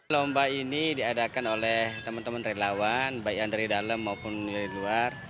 lomba ini diadakan oleh teman teman relawan baik yang dari dalam maupun dari luar